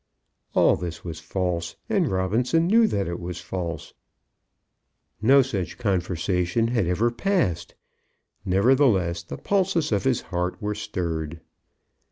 '" All this was false, and Robinson knew that it was false. No such conversation had ever passed. Nevertheless, the pulses of his heart were stirred.